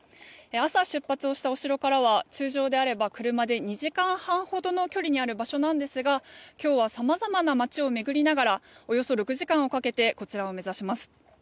朝、出発をしたお城からは通常であれば車で２時間半ほどの距離にある場所なんですが今日は様々な街を巡りながらおよそ６時間をかけてこちらを目指します。